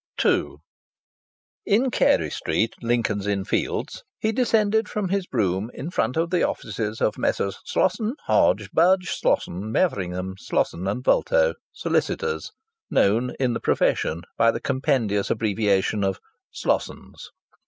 II In Carey Street, Lincoln's Inn Fields, he descended from his brougham in front of the offices of Messrs Slosson, Hodge, Budge, Slosson, Maveringham, Slosson & Vulto solicitors known in the profession by the compendious abbreviation of Slossons.